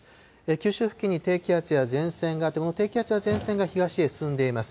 九州付近に低気圧や前線があって、この低気圧や前線が東へ進んでいます。